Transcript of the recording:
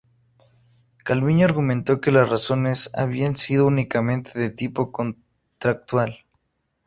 Calviño argumentó que las razones habían sido únicamente de tipo contractual.